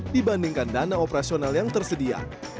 dibandingkan dana operasional yang tersedia